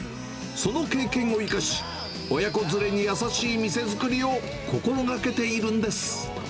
その経験を生かし、親子連れに優しい店作りを心がけているんです。